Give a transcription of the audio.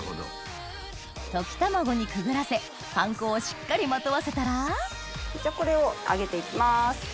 溶き卵にくぐらせパン粉をしっかりまとわせたらじゃあこれを揚げて行きます。